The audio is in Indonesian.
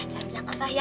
jangan bilang abah ya